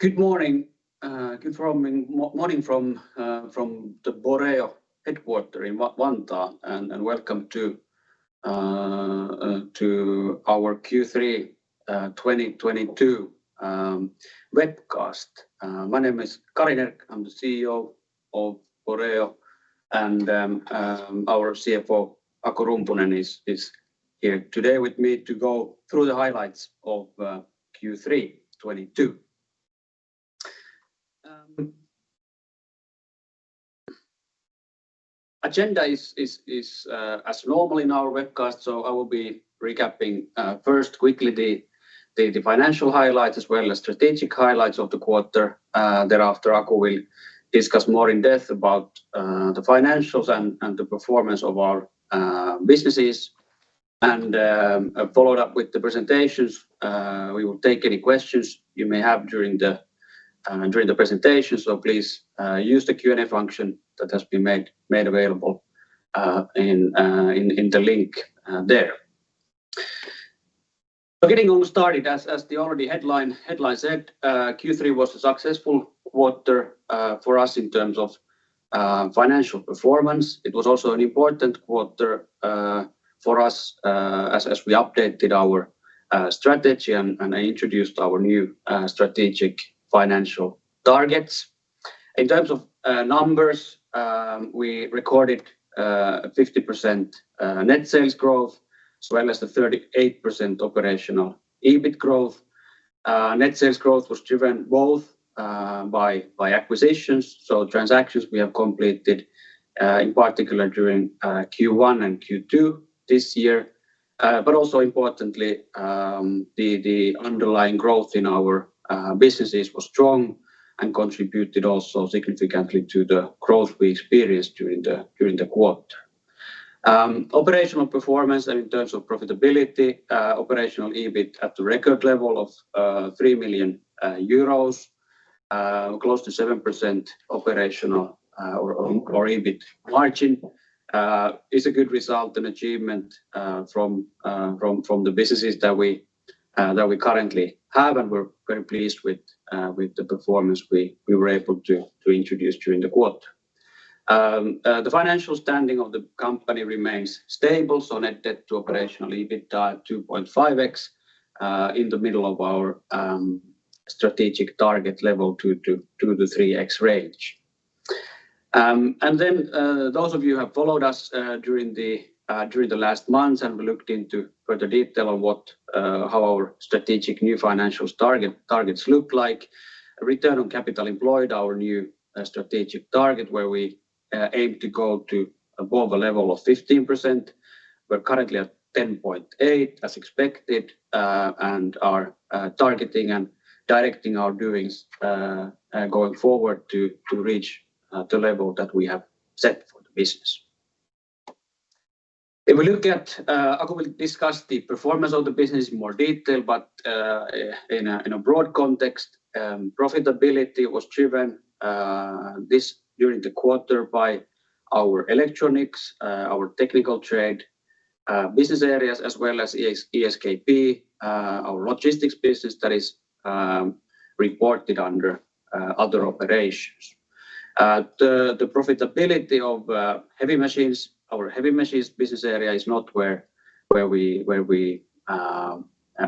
Good morning. Good morning from the Boreo headquarters in Vantaa, and welcome to our Q3 2022 webcast. My name is Kari Nerg. I'm the CEO of Boreo, and our CFO, Aku Rumpunen, is here today with me to go through the highlights of Q3 2022. Agenda is as normal in our webcast, so I will be recapping first quickly the financial highlights as well as strategic highlights of the quarter. Thereafter, Aku will discuss more in depth about the financials and the performance of our businesses. Followed up with the presentations, we will take any questions you may have during the presentation. Please use the Q&A function that has been made available in the link there. Getting all started, as the already headline said, Q3 was a successful quarter for us in terms of financial performance. It was also an important quarter for us as we updated our strategy and introduced our new strategic financial targets. In terms of numbers, we recorded a 50% net sales growth, as well as the 38% operational EBIT growth. Net sales growth was driven both by acquisitions, so transactions we have completed in particular during Q1 and Q2 this year. The underlying growth in our businesses was strong and contributed also significantly to the growth we experienced during the quarter. Operational performance and in terms of profitability, operational EBIT at the record level of 3 million euros, close to 7% operational or EBIT margin, is a good result and achievement from the businesses that we currently have. We're very pleased with the performance we were able to introduce during the quarter. The financial standing of the company remains stable, so net debt to operational EBIT at 2.5x, in the middle of our strategic target level 2-3x range. Those of you who have followed us during the last months and we looked into further detail on how our strategic new financials targets look like. Return on Capital Employed, our new strategic target where we aim to go to above a level of 15%. We're currently at 10.8% as expected, and are targeting and directing our doings going forward to reach the level that we have set for the business. If we look at, Aku will discuss the performance of the business in more detail, but in a broad context, profitability was driven during the quarter by our electronics, our technical trade, business areas as well as Etelä-Suomen Kuriiripalvelu, our logistics business that is reported under other operations. The profitability of heavy machines, our heavy machines business area is not where we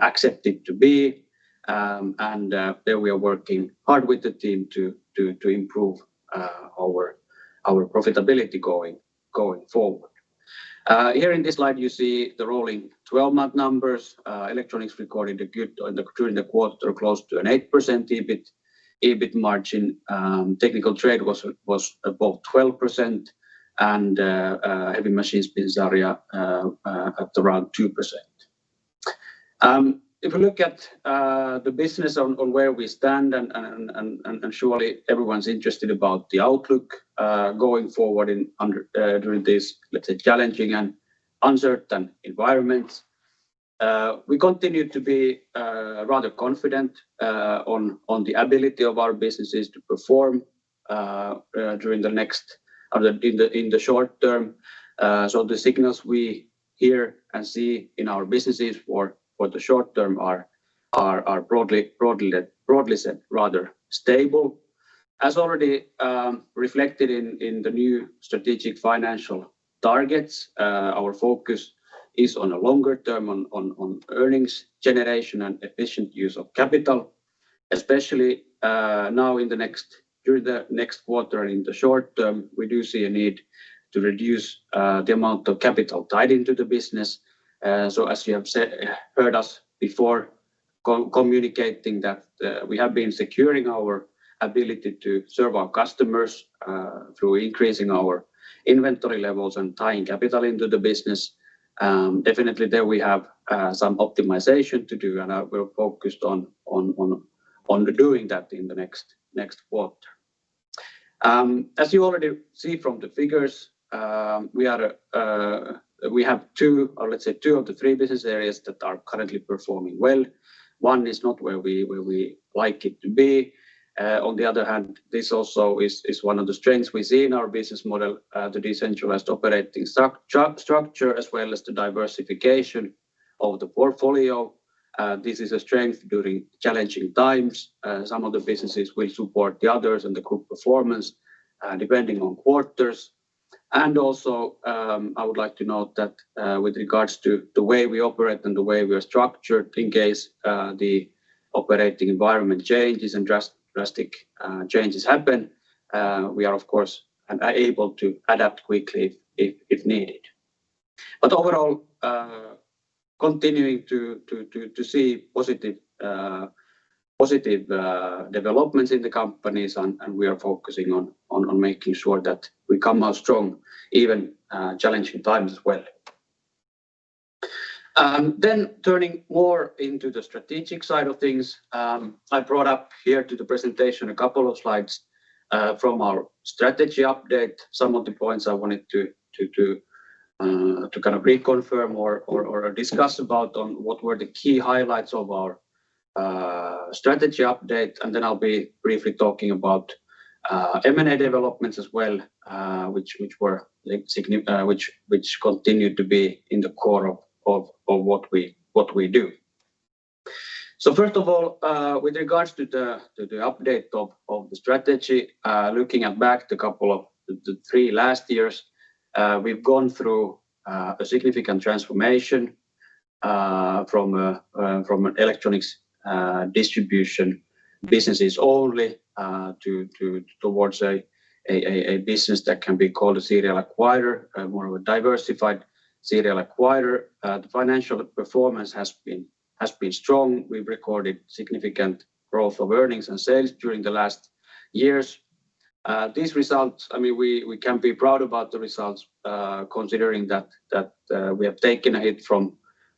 accept it to be. There we are working hard with the team to improve our profitability going forward. Here in this slide, you see the rolling 12-month numbers. Electronics recorded during the quarter close to 8% EBIT margin. Technical trade was above 12%. Heavy machines business area at around 2%. If we look at the business on where we stand and surely everyone's interested about the outlook going forward under during this, let's say, challenging and uncertain environment. We continue to be rather confident on the ability of our businesses to perform during the next or in the short term. The signals we hear and see in our businesses for the short term are broadly said rather stable. As already reflected in the new strategic financial targets, our focus is on a longer term on earnings generation and efficient use of capital. Especially, now during the next quarter and in the short term, we do see a need to reduce the amount of capital tied into the business. As you have heard us before communicating that, we have been securing our ability to serve our customers through increasing our inventory levels and tying capital into the business. Definitely there we have some optimization to do, and we're focused on doing that in the next quarter. As you already see from the figures, we have two, or let's say two of the three business areas that are currently performing well. One is not where we like it to be. On the other hand, this also is one of the strengths we see in our business model, the decentralized operating structure as well as the diversification of the portfolio, this is a strength during challenging times. Some of the businesses will support the others and the group performance, depending on quarters. Also, I would like to note that, with regards to the way we operate and the way we are structured in case the operating environment changes and drastic changes happen, we are of course able to adapt quickly if needed. Overall, continuing to see positive developments in the companies and we are focusing on making sure that we come out strong even challenging times as well. Turning more into the strategic side of things, I brought up here to the presentation a couple of slides from our strategy update. Some of the points I wanted to kind of reconfirm or discuss about on what were the key highlights of our strategy update, and I'll be briefly talking about M&A developments as well, which continue to be in the core of what we do. First of all, with regards to the update of the strategy, looking back at the last three years, we've gone through a significant transformation from an electronics distribution businesses only towards a business that can be called a serial acquirer, more of a diversified serial acquirer. The financial performance has been strong. We've recorded significant growth of earnings and sales during the last years. These results, I mean, we can be proud about the results, considering that we have taken a hit from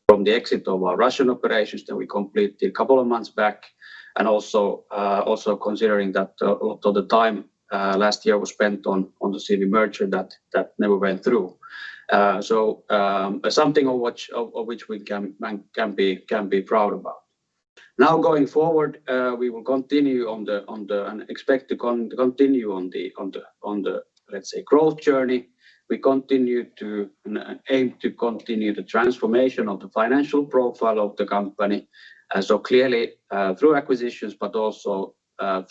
the exit of our Russian operations that we completed a couple of months back, and also considering that a lot of the time last year was spent on the Sievi merger that never went through. Something of which we can be proud about. Now going forward, we will continue on the and expect to continue on the, let's say, growth journey. We aim to continue the transformation of the financial profile of the company. Clearly, through acquisitions but also,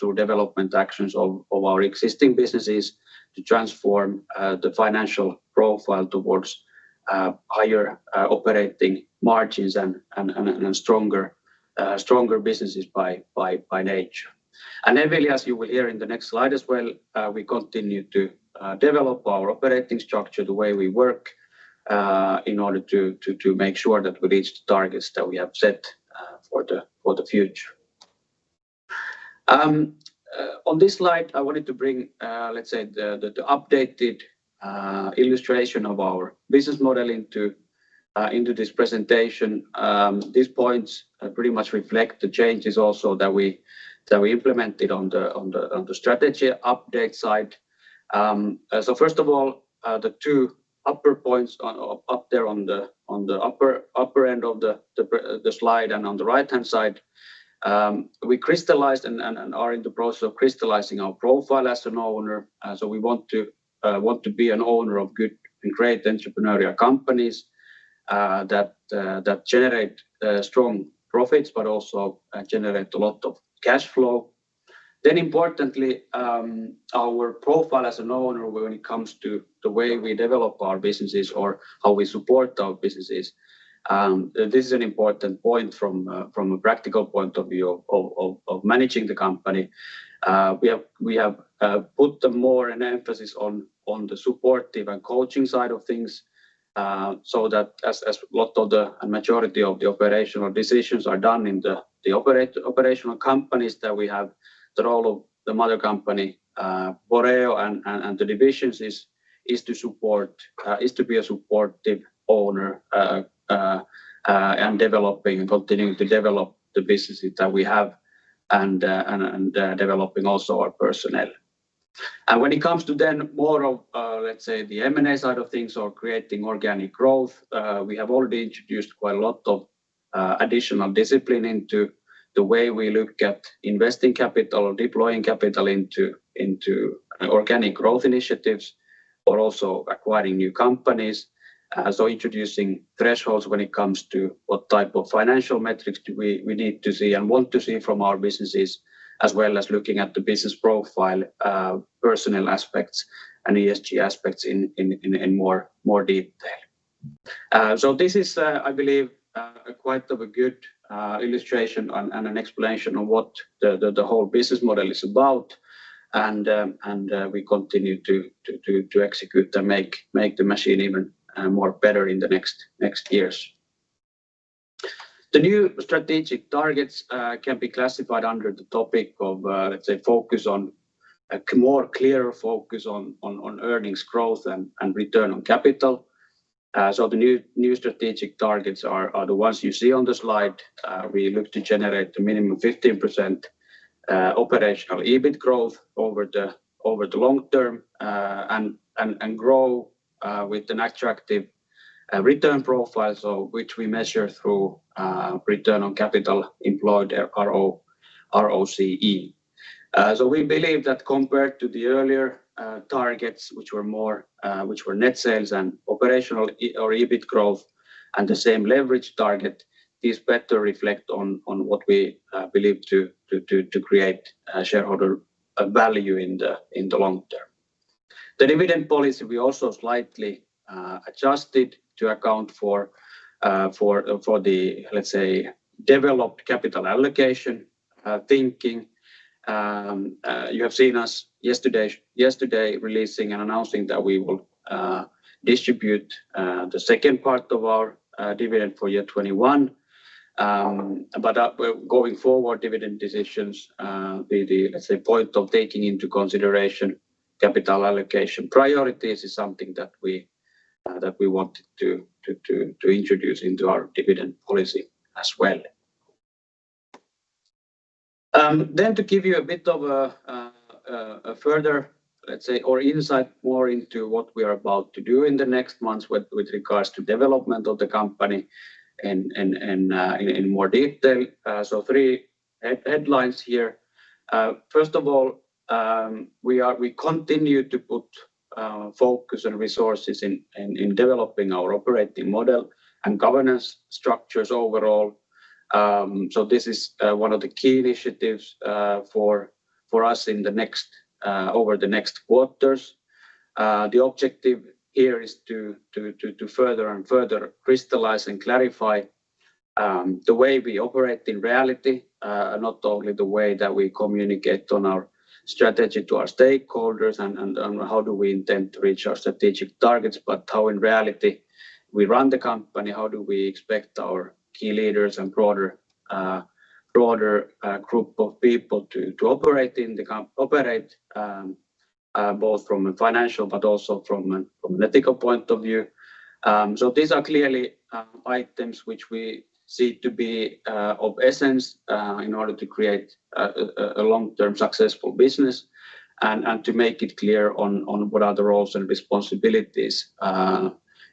through development actions of our existing businesses to transform the financial profile towards higher operating margins and stronger businesses by nature. Really, as you will hear in the next slide as well, we continue to develop our operating structure, the way we work, in order to make sure that we reach the targets that we have set for the future. On this slide, I wanted to bring, let's say, the updated illustration of our business model into this presentation. These points pretty much reflect the changes also that we implemented on the strategy update side. First of all, the two upper points up there on the upper end of the slide and on the right-hand side, we crystallized and are in the process of crystallizing our profile as an owner. We want to be an owner of good and great entrepreneurial companies that generate strong profits but also generate a lot of cash flow. Importantly, our profile as an owner when it comes to the way we develop our businesses or how we support our businesses, this is an important point from a practical point of view of managing the company. We have put more of an emphasis on the supportive and coaching side of things, so that a lot of the majority of the operational decisions are done in the operational companies that we have. The role of the mother company, Boreo and the divisions is to support, is to be a supportive owner and developing, continuing to develop the businesses that we have and developing also our personnel. When it comes to then more of, let's say, the M&A side of things or creating organic growth, we have already introduced quite a lot of additional discipline into the way we look at investing capital or deploying capital into organic growth initiatives but also acquiring new companies. Introducing thresholds when it comes to what type of financial metrics do we need to see and want to see from our businesses, as well as looking at the business profile, personal aspects and ESG aspects in more detail. This is, I believe, quite of a good illustration and an explanation of what the whole business model is about. We continue to execute and make the machine even more better in the next years. The new strategic targets can be classified under the topic of, let's say focus on a more clearer focus on earnings growth and return on capital. The new strategic targets are the ones you see on the slide. We look to generate a minimum 15% operational EBIT growth over the long term and grow with an attractive return profile, so, which we measure through return on capital employed or ROCE. We believe that compared to the earlier targets, which were net sales and operational EBIT growth and the same leverage target, these better reflect on what we believe to create shareholder value in the long term. The dividend policy we also slightly adjusted to account for the, let's say, developed capital allocation thinking. You have seen us yesterday releasing and announcing that we will distribute the second part of our dividend for year 2021. We're going forward with dividend decisions with the, let's say, point of taking into consideration capital allocation priorities is something that we want to introduce into our dividend policy as well. To give you a bit more insight into what we are about to do in the next months with regards to development of the company in more detail, three headlines here. First of all, we continue to put focus and resources in developing our operating model and governance structures overall. This is one of the key initiatives for us over the next quarters. The objective here is to further and further crystallize and clarify the way we operate in reality, not only the way that we communicate on our strategy to our stakeholders and how we intend to reach our strategic targets, but how in reality we run the company, how we expect our key leaders and broader group of people to operate both from a financial but also from an ethical point of view. These are clearly items which we see to be of the essence in order to create a long-term successful business and to make it clear on what are the roles and responsibilities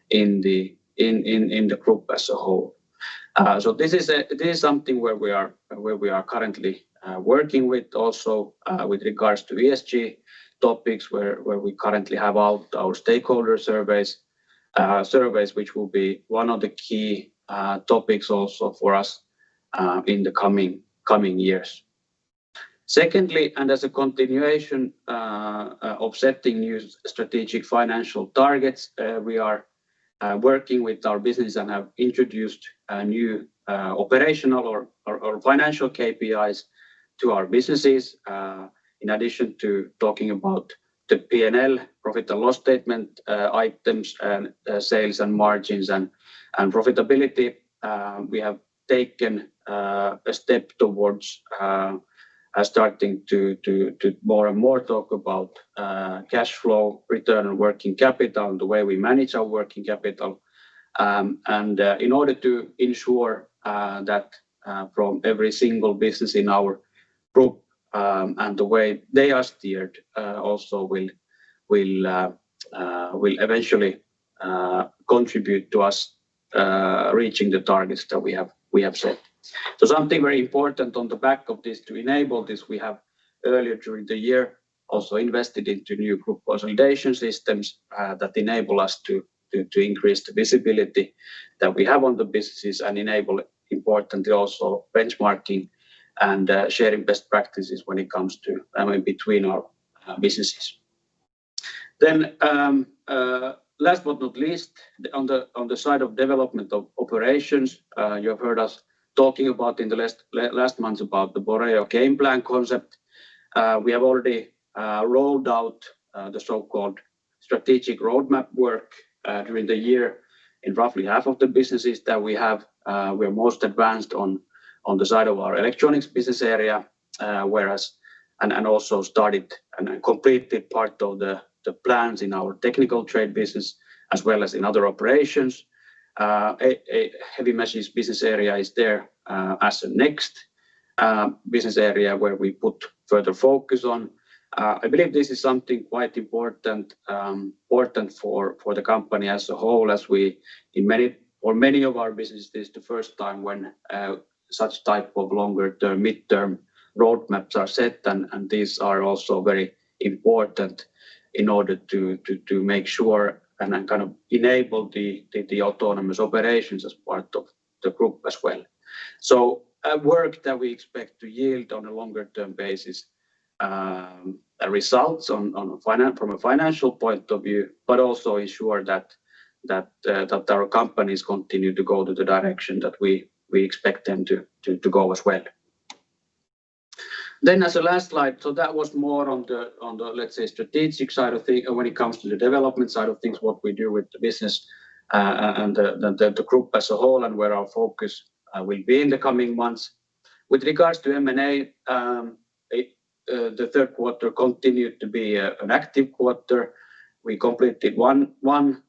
in the group as a whole. This is something where we are currently working with also with regards to ESG topics where we currently have out our stakeholder surveys which will be one of the key topics also for us in the coming years. Secondly, as a continuation of setting new strategic financial targets, we are working with our business and have introduced a new operational or financial KPIs to our businesses. In addition to talking about the P&L, profit and loss statement, items and sales and margins and profitability, we have taken a step towards starting to more and more talk about cash flow, return on working capital, and the way we manage our working capital. In order to ensure that from every single business in our group and the way they are steered also will eventually contribute to us reaching the targets that we have set. Something very important on the back of this to enable this, we have earlier during the year also invested into new group consolidation systems that enable us to increase the visibility that we have on the businesses and enable importantly also benchmarking and sharing best practices when it comes to and between our businesses. Last but not least, on the side of development of operations, you have heard us talking about in the last months about the Boreo game plan concept. We have already rolled out the so-called strategic roadmap work during the year in roughly half of the businesses that we have. We're most advanced on the side of our electronics business area, whereas also started and completed part of the plans in our technical trade business as well as in other operations. A heavy machines business area is there as a next business area where we put further focus on. I believe this is something quite important for the company as a whole, as we, in many of our businesses, this is the first time when such type of longer-term, midterm roadmaps are set and these are also very important in order to make sure and kind of enable the autonomous operations as part of the group as well. Work that we expect to yield on a longer term basis, results from a financial point of view, but also ensure that our companies continue to go to the direction that we expect them to go as well. As a last slide, that was more on the, let's say, strategic side of this when it comes to the development side of things, what we do with the business, and the group as a whole, and where our focus will be in the coming months. With regards to M&A, the Q3 continued to be an active quarter. We completed one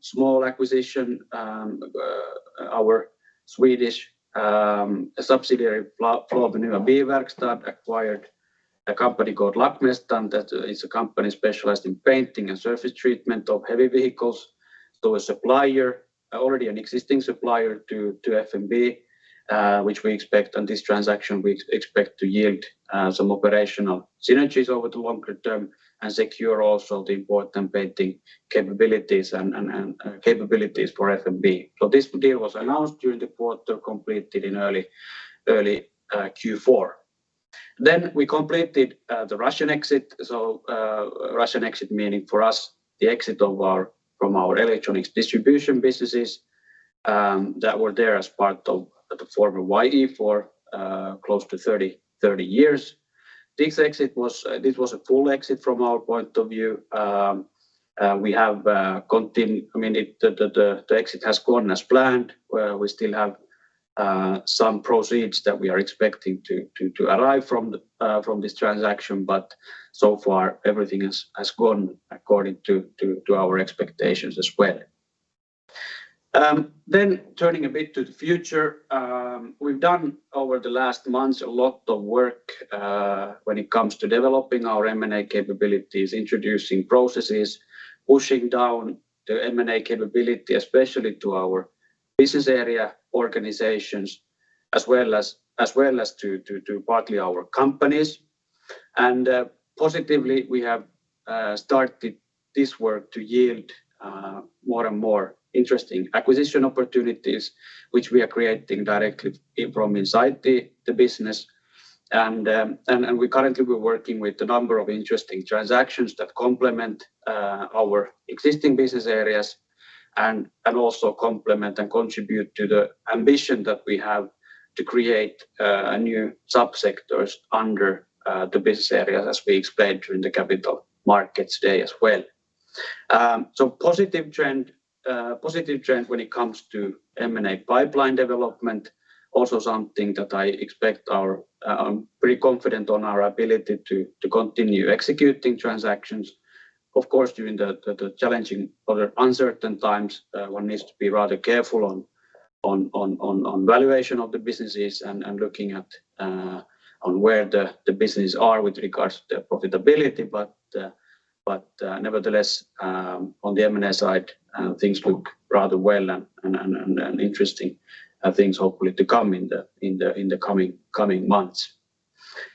small acquisition. Our Swedish subsidiary Floby Nya Bilverkstad AB acquired a company called Lackmästar'n i Håkantorp AB that is a company specialized in painting and surface treatment of heavy vehicles. A supplier, already an existing supplier to FMB, which we expect on this transaction to yield some operational synergies over the longer term and secure also the important painting capabilities and capabilities for FMB. This deal was announced during the quarter, completed in early Q4. We completed the Russian exit. Russian exit meaning for us the exit from our electronics distribution businesses that were there as part of the former Yleiselektroniikka for close to 30 years. This exit was a full exit from our point of view. I mean, the exit has gone as planned. We still have some proceeds that we are expecting to arrive from this transaction, but so far everything has gone according to our expectations as well. Turning a bit to the future, we've done over the last months a lot of work when it comes to developing our M&A capabilities, introducing processes, pushing down the M&A capability, especially to our business area organizations as well as to partly our companies. Positively, we have started this work to yield more and more interesting acquisition opportunities, which we are creating directly from inside the business. We currently are working with a number of interesting transactions that complement our existing business areas and also complement and contribute to the ambition that we have to create new subsectors under the business areas as we explained during the Capital Markets Day as well. Positive trend when it comes to M&A pipeline development. Something that I expect we're pretty confident on our ability to continue executing transactions. Of course, during the challenging or uncertain times, one needs to be rather careful on valuation of the businesses and looking at on where the businesses are with regards to the profitability. But nevertheless, on the M&A side, things look rather well and interesting, things hopefully to come in the coming months.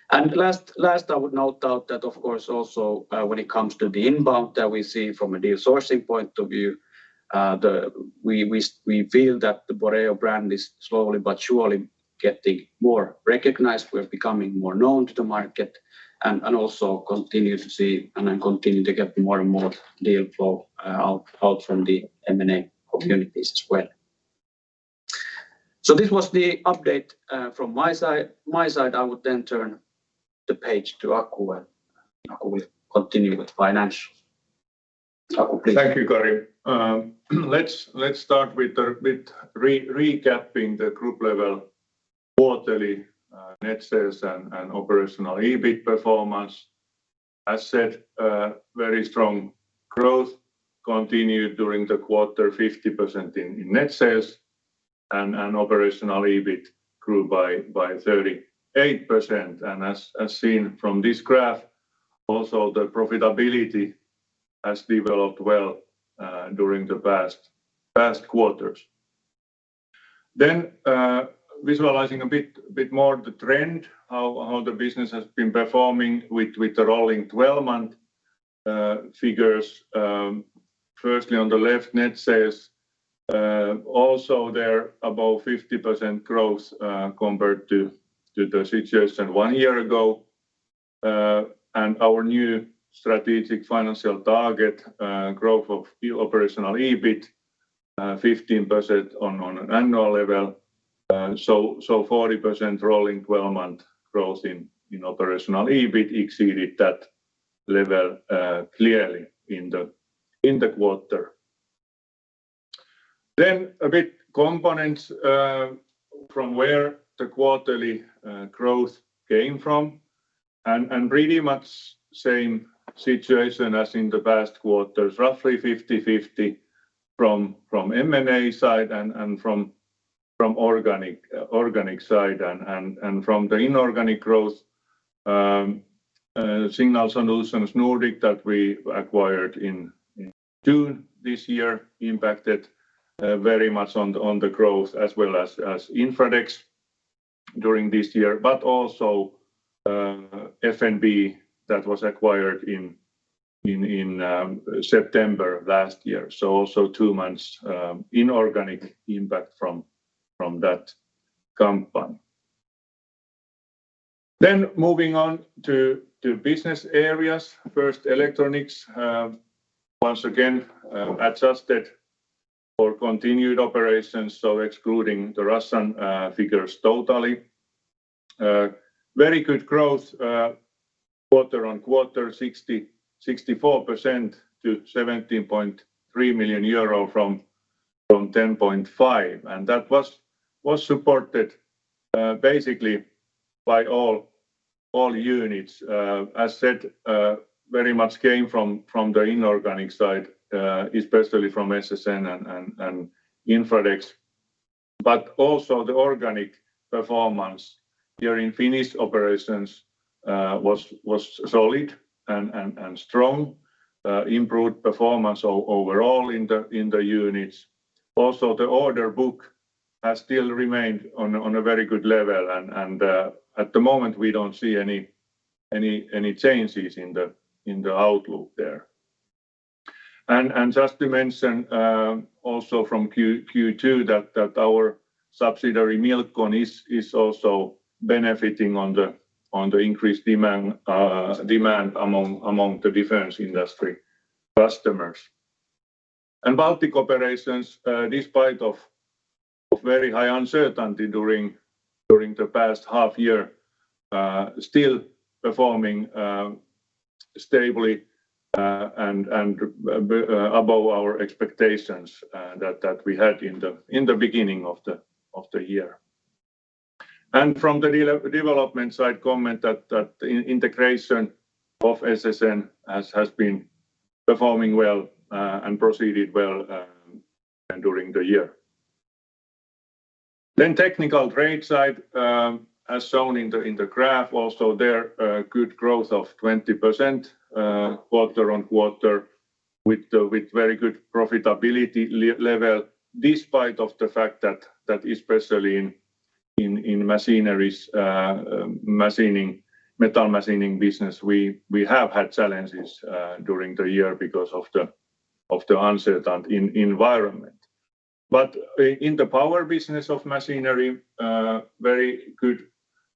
Last, I would point out that of course also, when it comes to the inbound that we see from a deal sourcing point of view, we feel that the Boreo brand is slowly but surely getting more recognized. We're becoming more known to the market and also continue to see and then continue to get more and more deal flow out from the M&A communities as well. This was the update from my side. I would then turn the page to Aku, and Aku will continue with financials. Aku, please. Thank you, Kari. Let's start with recapping the group level quarterly net sales and operational EBIT performance. As said, very strong growth continued during the quarter, 50% in net sales and operational EBIT grew by 38%. As seen from this graph, also the profitability has developed well during the past quarters. Visualizing a bit more the trend, how the business has been performing with the rolling twelve-month figures. Firstly on the left, net sales, also they're above 50% growth compared to the situation one year ago. Our new strategic financial target, growth of operational EBIT, 15% on an annual level. 40% rolling 12-month growth in operational EBIT exceeded that level clearly in the quarter. The main components from where the quarterly growth came from, and pretty much the same situation as in the past quarters. Roughly 50-50 from M&A side and from organic side. From the inorganic growth, Signal Solutions Nordic that we acquired in June this year impacted very much on the growth as well as Infradex during this year. Also, FMB that was acquired in September of last year. Also two months inorganic impact from that company. Moving on to business areas. First, electronics. Once again, adjusted for continued operations, so excluding the Russian figures totally. Very good growth, quarter-on-quarter, 64% to 17.3 million euro from 10.5 million. That was supported basically by all units. As said, very much came from the inorganic side, especially from SSN and Infradex. Also the organic performance during Finnish operations was solid and strong. Improved performance overall in the units. Also, the order book has still remained on a very good level and at the moment, we don't see any changes in the outlook there. Just to mention, also from Q2 that our subsidiary, Milcon, is also benefiting on the increased demand among the defense industry customers. Baltic operations, despite very high uncertainty during the past half year, still performing stably and above our expectations that we had in the beginning of the year. From the development side, comment that integration of SSN has been performing well and proceeded well during the year. Technical Trade side, as shown in the graph, also there good growth of 20% quarter on quarter with very good profitability level despite the fact that especially in machinery, machining, metal machining business, we have had challenges during the year because of the uncertain environment. In the power business of machinery, very good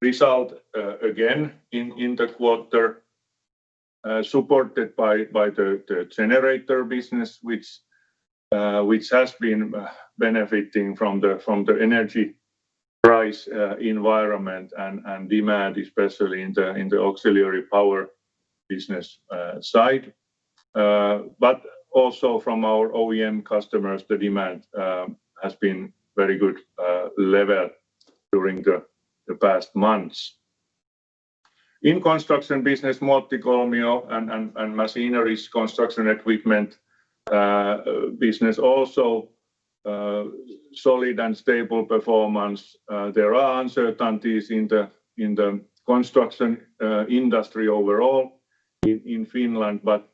result, again in the quarter, supported by the generator business which has been benefiting from the energy price environment and demand, especially in the auxiliary power business side. But also from our OEM customers, the demand has been very good level during the past months. In construction business, Muottikolmio and Machinery's construction equipment business also solid and stable performance. There are uncertainties in the construction industry overall in Finland, but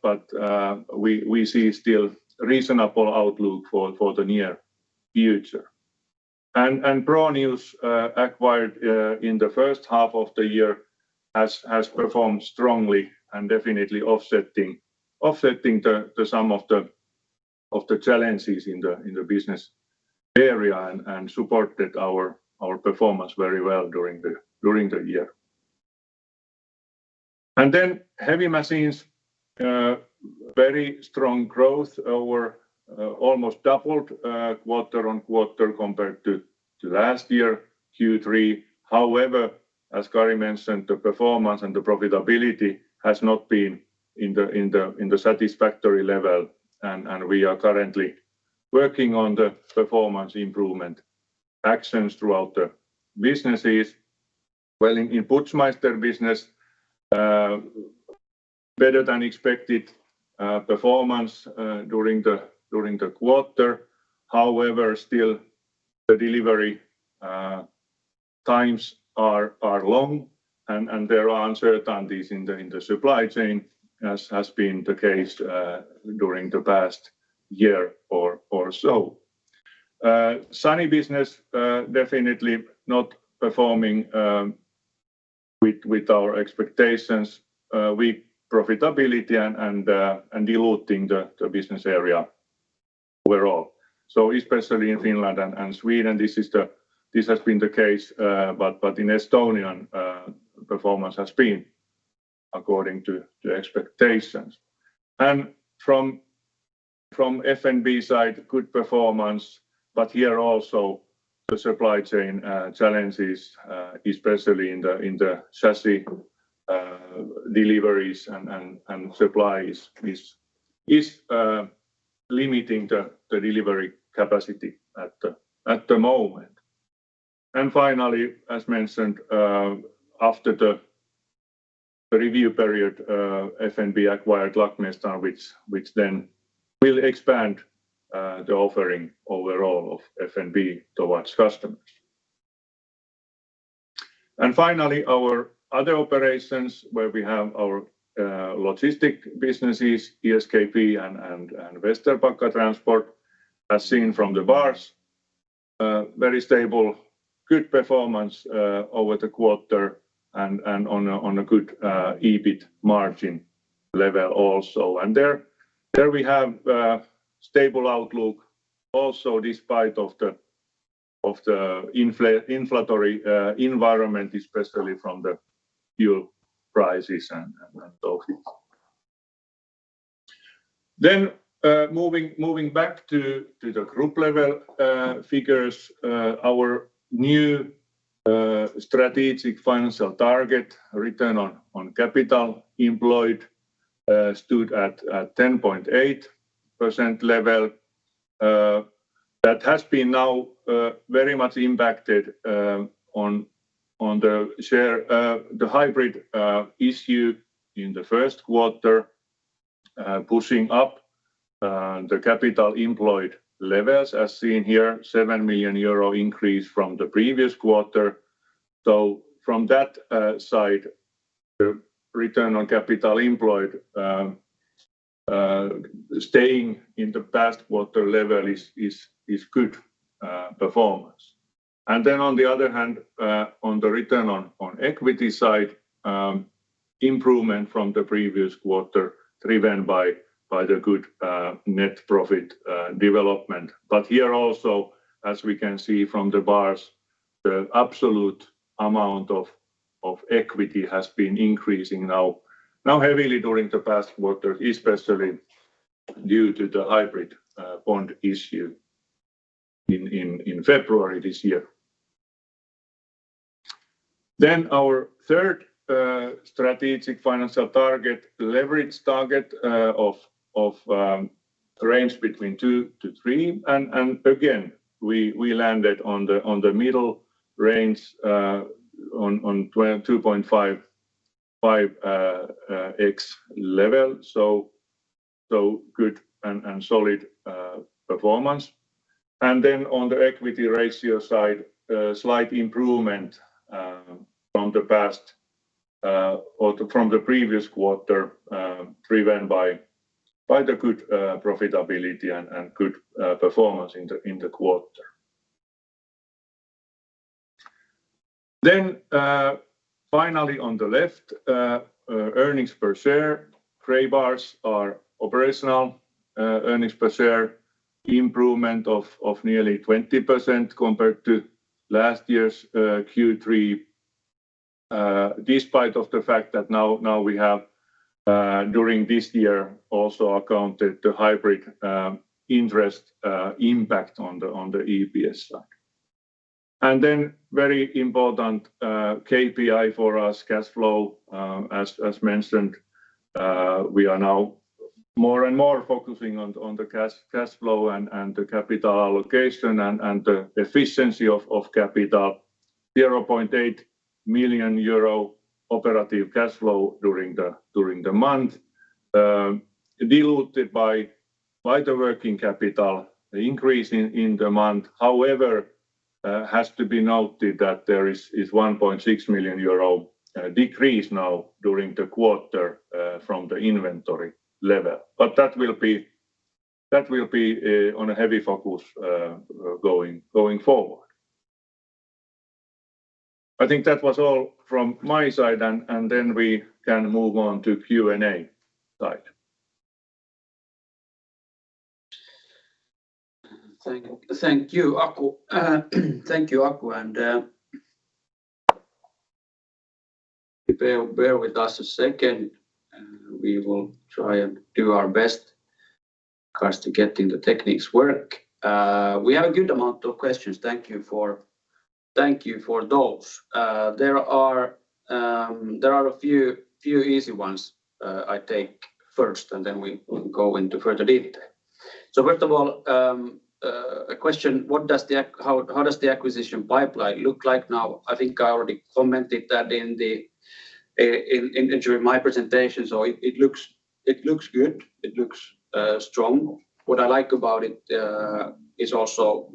we see still reasonable outlook for the near future. Pronius, acquired in the H1 of the year, has performed strongly and definitely offsetting some of the challenges in the business area and supported our performance very well during the year. Then heavy machines very strong growth were almost doubled quarter-on-quarter compared to last year Q3. However, as Kari mentioned, the performance and the profitability has not been in the satisfactory level, and we are currently working on the performance improvement actions throughout the businesses. Well, in Putzmeister business, better than expected performance during the quarter. However, still the delivery times are long and there are uncertainties in the supply chain as has been the case during the past year or so. Sany business definitely not performing with our expectations. Weak profitability and diluting the business area overall. Especially in Finland and Sweden, this has been the case, but in Estonia performance has been according to expectations. From FNB side, good performance, but here also the supply chain challenges, especially in the chassis deliveries and supplies is limiting the delivery capacity at the moment. Finally, as mentioned, after the review period, FNB acquired Lackmästar'n which then will expand the offering overall of FNB towards customers. Finally, our other operations where we have our logistics businesses, ESKP and Vesterbacka Transport, as seen from the bars, very stable, good performance over the quarter and on a good EBIT margin level also. There we have stable outlook also despite the inflationary environment, especially from the fuel prices and so forth. Moving back to the group level figures. Our new strategic financial target return on capital employed stood at a 10.8% level. That has been now very much impacted on the hybrid issue in the Q1, pushing up the capital employed levels as seen here, 7 million euro increase from the previous quarter. From that side, the return on capital employed staying in the past quarter level is good performance. On the other hand, on the return on equity side, improvement from the previous quarter driven by the good net profit development. Here also, as we can see from the bars, the absolute amount of equity has been increasing now heavily during the past quarter, especially due to the hybrid bond issue in February this year. Our third strategic financial target, leverage target of range between two-three. Again, we landed on the middle range, on 2.55x level. Good and solid performance. On the equity ratio side, slight improvement from the past or from the previous quarter, driven by the good profitability and good performance in the quarter. Finally on the left, earnings per share. Gray bars are operational earnings per share. Improvement of nearly 20% compared to last year's Q3, despite the fact that now we have during this year also accounted the hybrid interest impact on the EPS side. Very important KPI for us, cash flow. As mentioned, we are now more and more focusing on the cash flow and the capital allocation and the efficiency of capital. 0.8 million euro operative cash flow during the month, diluted by the working capital increase in the month. However, has to be noted that there is 1.6 million euro decrease now during the quarter from the inventory level. That will be on a heavy focus going forward. I think that was all from my side and then we can move on to Q&A side. Thank you, Aku. Thank you, Aku, and bear with us a second. We will try and do our best with regard to getting the technology to work. We have a good amount of questions. Thank you for those. There are a few easy ones. I take first, and then we go into further detail. First of all, a question, what does the acquisition pipeline look like now? I think I already commented that during my presentation. It looks good. It looks strong. What I like about it is also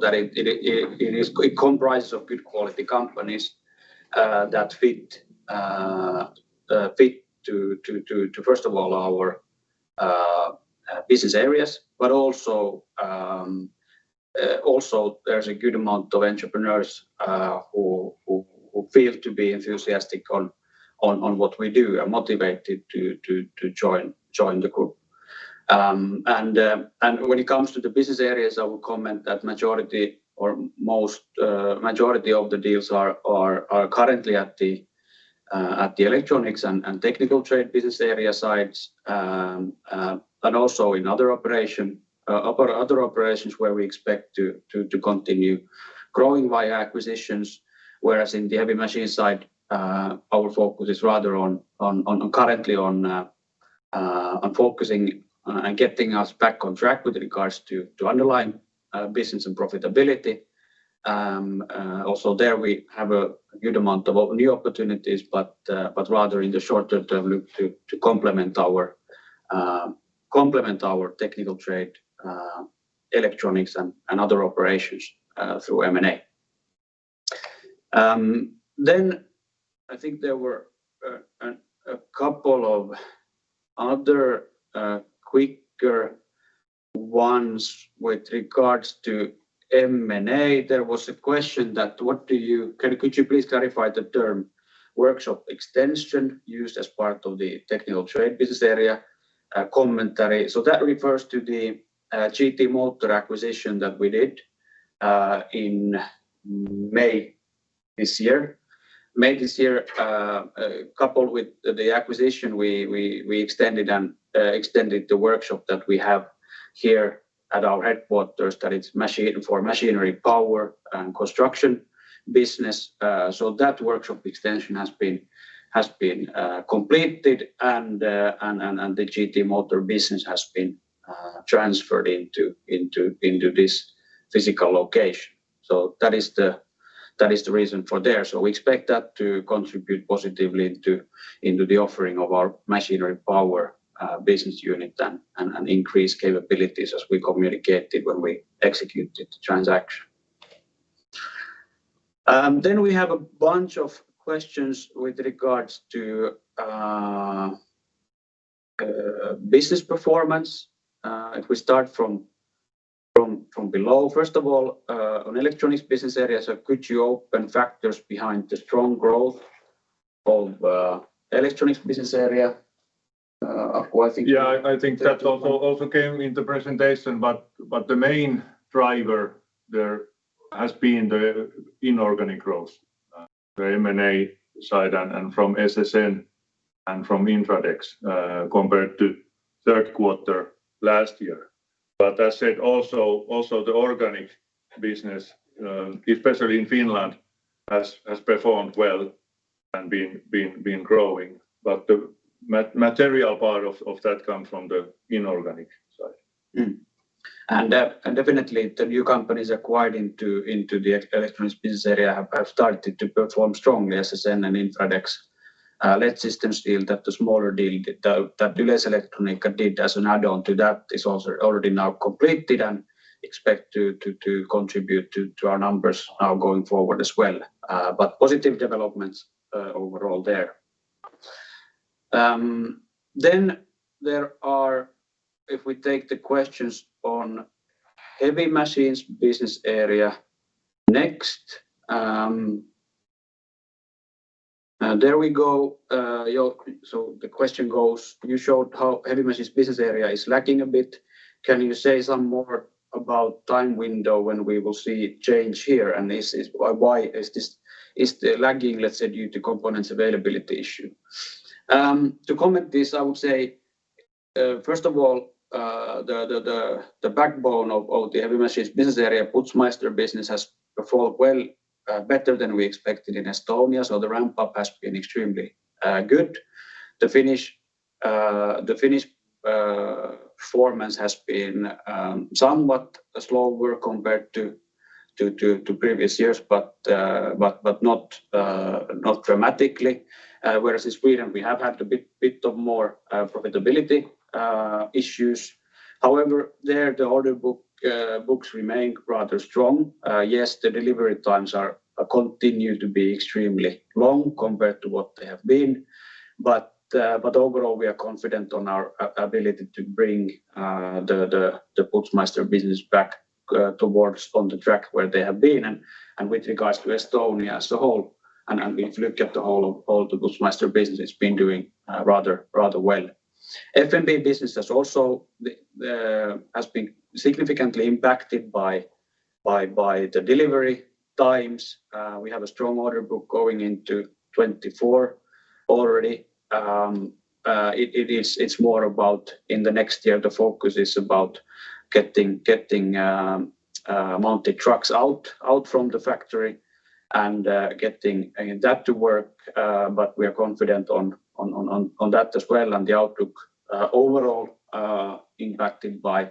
that it comprises of good quality companies that fit to first of all our business areas, but also also there's a good amount of entrepreneurs who feel to be enthusiastic on what we do and motivated to join the group. When it comes to the business areas, I would comment that majority or most majority of the deals are currently at the Electronics and Technical Trade business area sides. Also in other operations where we expect to continue growing via acquisitions. Whereas in the heavy machine side, our focus is rather on currently focusing and getting us back on track with regards to underlying business and profitability. Also, there we have a good amount of new opportunities, but rather in the short term to complement our technical trade, electronics and other operations through M&A. I think there were a couple of other quicker ones with regards to M&A. There was a question: Could you please clarify the term workshop extension used as part of the technical trade business area commentary? So that refers to the GT Motor acquisition that we did in May this year. May this year, coupled with the acquisition, we extended the workshop that we have here at our headquarters that is for machinery, power and construction business. That workshop extension has been completed and the GT Motor business has been transferred into this physical location. That is the reason for that. We expect that to contribute positively into the offering of our machinery power business unit and increase capabilities as we communicated when we executed the transaction. We have a bunch of questions with regards to business performance. If we start from below. First of all, on electronics business areas, could you open factors behind the strong growth of electronics business area? Aku, I think. Yeah, I think that also came in the presentation, but the main driver there has been the inorganic growth, the M&A side and from SSN and from Infradex, compared to Q3 last year. As said, also the organic business, especially in Finland, has performed well and been growing. The material part of that come from the inorganic side. Definitely the new companies acquired into the electronics business area have started to perform strongly, SSN and Infradex. The LED-systems deal, the smaller deal that Led-Systems Oy did as an add-on to that, is also already completed now and expected to contribute to our numbers now going forward as well. But positive developments overall there. If we take the questions on heavy machines business area next. There we go. So the question goes: You showed how heavy machines business area is lagging a bit. Can you say some more about time window when we will see change here? And is the lagging, let's say, due to components availability issue? To comment on this, I would say, first of all, the backbone of the heavy machines business area, Putzmeister business has performed well, better than we expected in Estonia. The ramp-up has been extremely good. The Finnish performance has been somewhat slower compared to previous years, but not dramatically. Whereas in Sweden, we have had a bit more profitability issues. However, there the order books remain rather strong. Yes, the delivery times continue to be extremely long compared to what they have been. Overall, we are confident on our ability to bring the Putzmeister business back towards on the track where they have been and with regards to Estonia as a whole. If you look at the whole of all the Putzmeister business, it's been doing rather well. FMB business has also been significantly impacted by the delivery times. We have a strong order book going into 2024 already. It's more about in the next year, the focus is about getting mounted trucks out from the factory and getting that to work. We are confident on that as well, and the outlook overall impacted by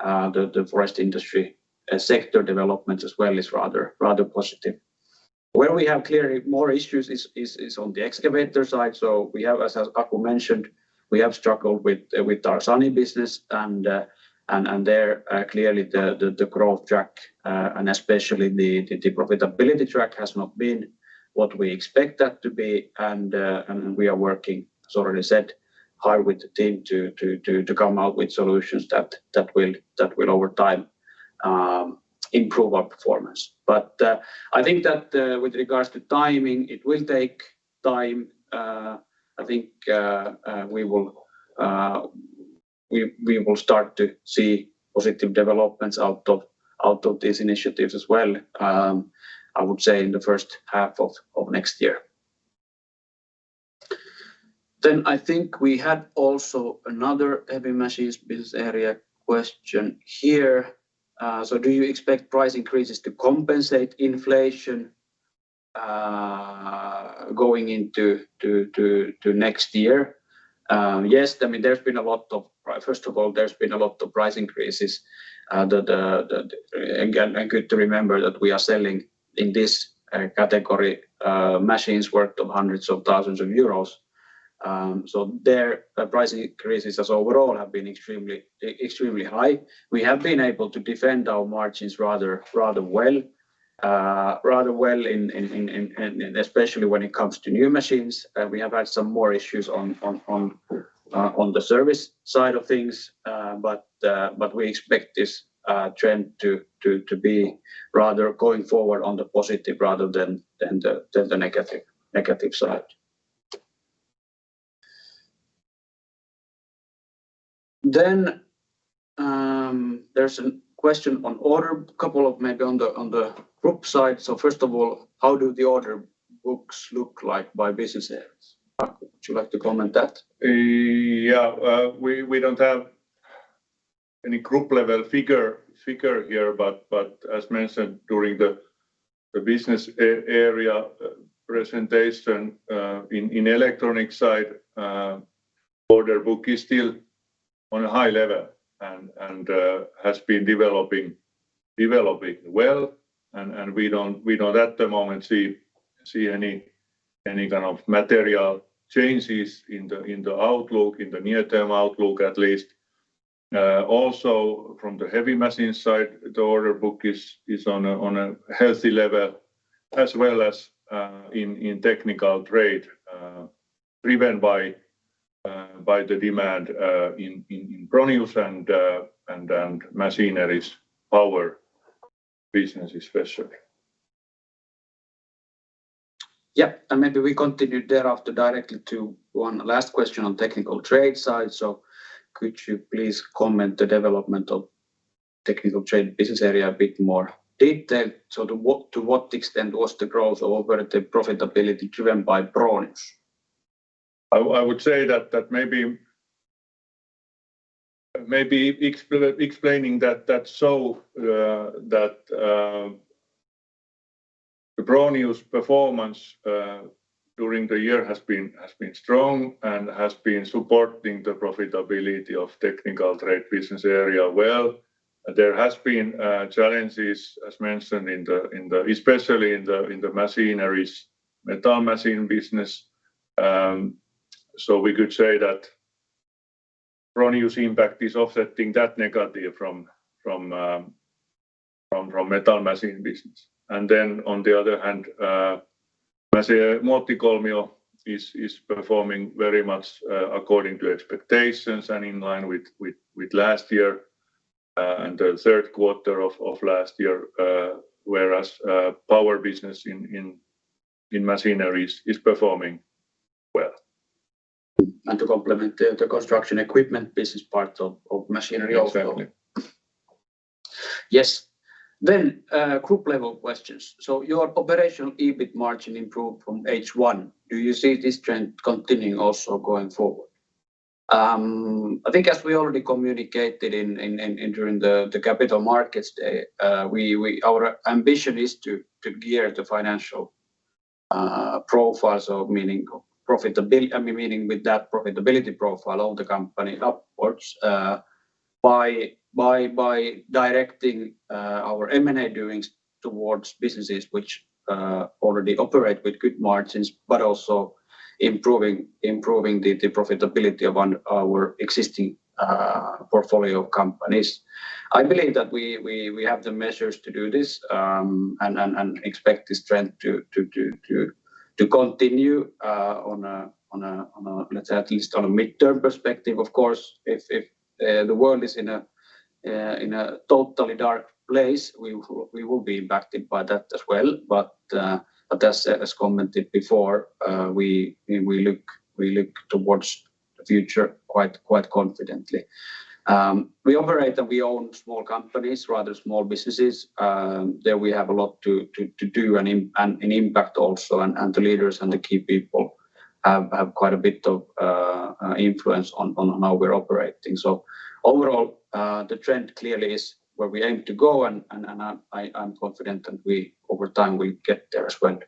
the forest industry sector development as well is rather positive. Where we have clearly more issues is on the excavator side. We have, as Aku mentioned, struggled with our Sany business and there clearly the growth track and especially the profitability track has not been what we expect that to be. We are working, as already said, hard with the team to come out with solutions that will over time improve our performance. I think that with regards to timing, it will take time. I think we will start to see positive developments out of these initiatives as well. I would say in the H1 of next year. I think we had also another heavy machines business area question here. Do you expect price increases to compensate inflation going into next year? Yes. I mean, first of all, there's been a lot of price increases. Again, good to remember that we are selling in this category machines worth hundreds of thousands of euros. So there the price increases overall have been extremely high. We have been able to defend our margins rather well. Especially when it comes to new machines. We have had some more issues on the service side of things. We expect this trend to be rather going forward on the positive rather than the negative side. There's a question on order, couple of maybe on the group side. First of all, how do the order books look like by business areas? Aku, would you like to comment that? We don't have any group level figure here, but as mentioned during the business area presentation, in electronics side, order book is still on a high level and has been developing well, and we don't at the moment see any kind of material changes in the outlook, in the near-term outlook at least. Also from the heavy machine side, the order book is on a healthy level as well as in technical trade, driven by the demand in Pronius and machinery's power business especially. Yeah. Maybe we continue thereafter directly to one last question on Technical Trade side. Could you please comment on the development of Technical Trade business area a bit more detail? To what extent was the growth of operating profitability driven by Pronius? I would say that the Pronius performance during the year has been strong and has been supporting the profitability of the Technical Trade business area well. There has been challenges, as mentioned, especially in the Machinery's metal machine business. We could say that Pronius impact is offsetting that negative from the metal machine business. On the other hand, Muottikolmio is performing very much according to expectations and in line with last year and the Q3 of last year, whereas power business in Machinery's is performing well. To complement the construction equipment business part of Machinery also. Exactly. Yes. Group level questions. Your operational EBIT margin improved from H1. Do you see this trend continuing also going forward? I think as we already communicated during the capital markets day, our ambition is to gear the financial profile, so meaning profitability, I mean meaning with that profitability profile of the company upwards, by directing our M&A doings towards businesses which already operate with good margins, but also improving the profitability of our existing portfolio companies. I believe that we have the measures to do this, and expect this trend to continue, let's say at least on a midterm perspective. Of course, if the world is in a totally dark place, we will be impacted by that as well. As commented before, we look towards the future quite confidently. We operate and we own small companies, rather small businesses, that we have a lot to do and an impact also, and the leaders and the key people have quite a bit of influence on how we're operating. Overall, the trend clearly is where we aim to go, and I'm confident that we over time get there as well.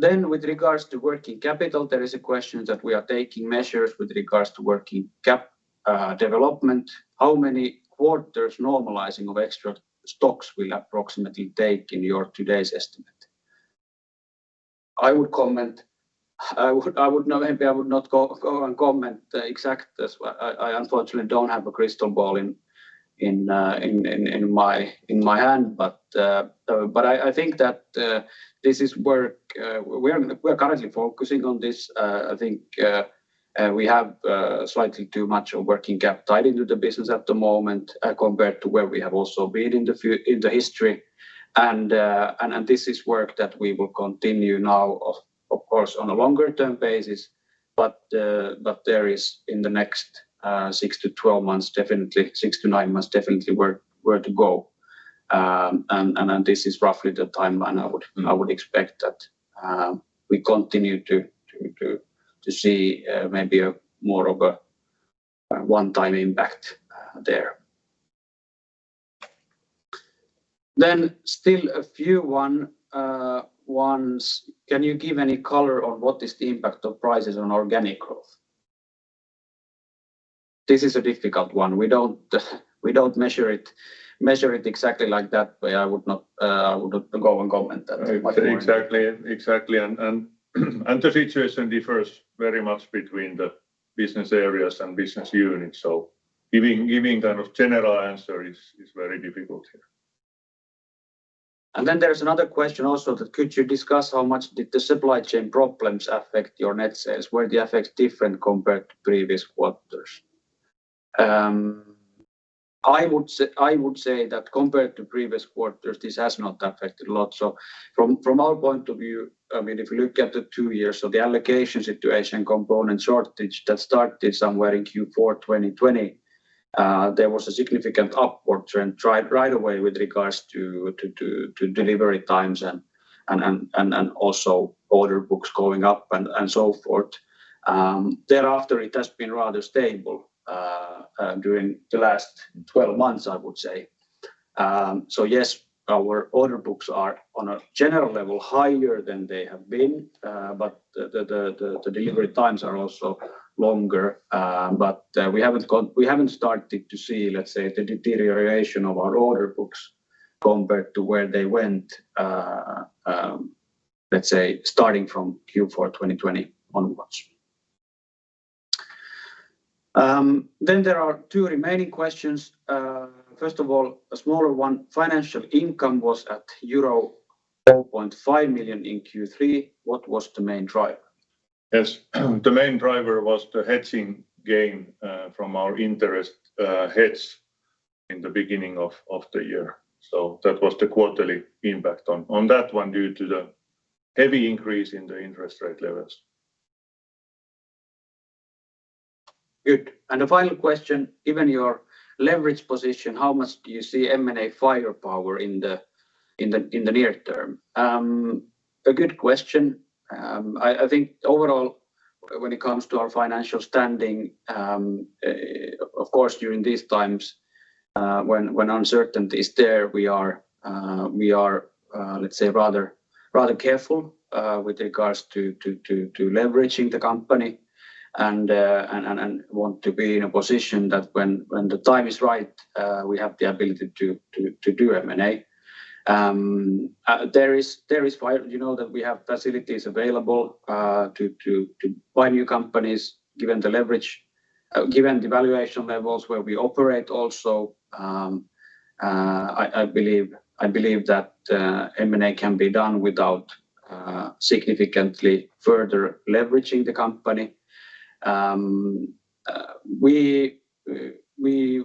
With regards to working capital, there is a question that we are taking measures with regards to working capital development. How many quarters normalizing of extra stocks will approximately take in your today's estimate? I would not go and comment the exact as well. I unfortunately don't have a crystal ball in my hand. I think that this is work we are currently focusing on. I think we have slightly too much of working capital tied into the business at the moment, compared to where we have also been in the future in the history. This is work that we will continue now, of course, on a longer term basis, but there is in the next six-12 months, definitely six-nine months, definitely where to go. This is roughly the timeline I would expect that we continue to see maybe more of a one-time impact there. Still a few one-offs. Can you give any color on what is the impact of prices on organic growth? This is a difficult one. We don't measure it exactly in that way. I would not go and comment that at this point. Exactly. The situation differs very much between the business areas and business units. Giving kind of general answer is very difficult here. There's another question also that could you discuss how much did the supply chain problems affect your net sales? Were the effects different compared to previous quarters? I would say that compared to previous quarters, this has not affected a lot. From our point of view, I mean, if you look at the two years, the allocation situation, component shortage that started somewhere in Q4 2020, there was a significant upward trend right away with regards to delivery times and also order books going up and so forth. Thereafter, it has been rather stable during the last 12 months, I would say. Yes, our order books are, on a general level, higher than they have been, but the delivery times are also longer. We haven't started to see, let's say, the deterioration of our order books compared to where they went, let's say, starting from Q4 2020 onwards. There are two remaining questions. First of all, a smaller one. Financial income was at euro 4.5 million in Q3. What was the main driver? Yes. The main driver was the hedging gain from our interest hedge in the beginning of the year. That was the quarterly impact on that one due to the heavy increase in the interest rate levels. Good. The final question, given your leverage position, how much do you see M&A firepower in the near term? A good question. I think overall when it comes to our financial standing, of course, during these times, when uncertainty is there, we are, let's say, rather careful with regards to leveraging the company and want to be in a position that when the time is right, we have the ability to do M&A. You know that we have facilities available to buy new companies given the leverage, given the valuation levels where we operate also. I believe that M&A can be done without significantly further leveraging the company.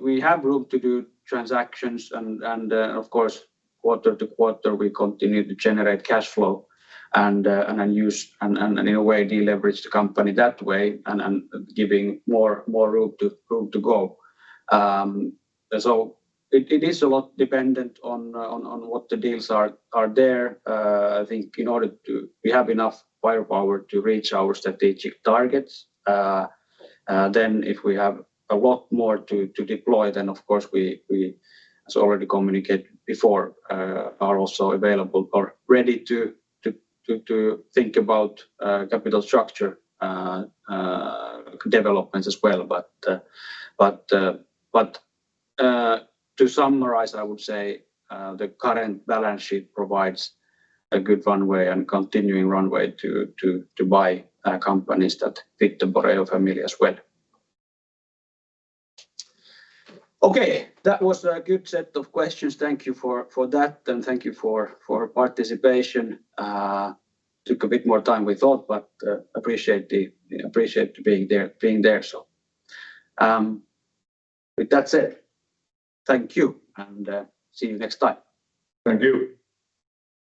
We have room to do transactions and of course quarter to quarter we continue to generate cash flow and use in a way deleverage the company that way and giving more room to go. It is a lot dependent on what the deals are there. We have enough firepower to reach our strategic targets. If we have a lot more to deploy, of course we, as already communicated before, are also available or ready to think about capital structure developments as well. To summarize, I would say the current balance sheet provides a good runway and continuing runway to buy companies that fit the Boreo family as well. Okay. That was a good set of questions. Thank you for that, and thank you for participation. Took a bit more time we thought, but appreciate being there. With that said, thank you, and see you next time. Thank you.